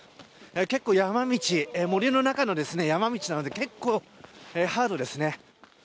結構山道、森の中の山道なので結構、ハードですね。